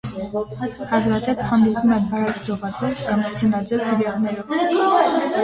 Հազվադեպ հանդիպում է բարակ ձողաձև կամ սյունաձև բյուրեղներով։